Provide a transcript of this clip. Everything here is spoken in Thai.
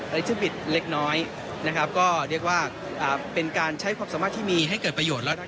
อาชีพบิดเล็กน้อยนะครับก็เรียกว่าเป็นการใช้ความสามารถที่มีให้เกิดประโยชน์